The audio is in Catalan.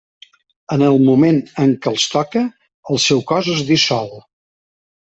En el moment en què els toca, el seu cos es dissol.